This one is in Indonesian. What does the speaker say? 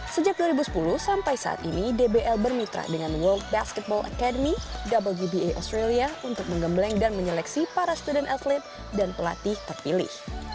sejak dua ribu sepuluh sampai saat ini dbl bermitra dengan world basketball academy wba australia untuk menggembleng dan menyeleksi para student atlet dan pelatih terpilih